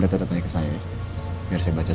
data datanya ke saya biar saya baca